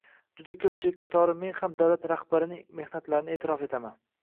Juda ko‘pchilik qatori men ham davlat rahbarining mehnatlarini e’tirof etaman.